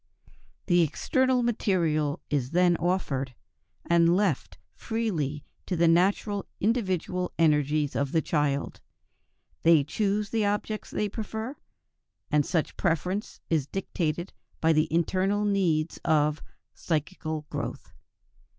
The external material is then offered, and left freely to the natural individual energies of the children. They choose the objects they prefer; and such preference is dictated by the internal needs of "psychical growth."